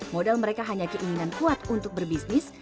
modal mereka hanya keinginan kuat untuk berbisnis